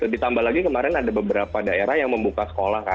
ditambah lagi kemarin ada beberapa daerah yang membuka sekolah